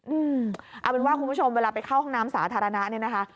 อืมเอาเป็นว่าคุณผู้ชมเวลาไปเข้าห้องน้ำสาธารณะเนี่ยนะคะ